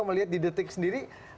melihat di detik sendiri